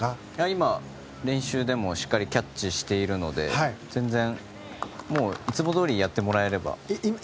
今、練習でもしっかりキャッチしているので全然いつもどおりやってもらえれば。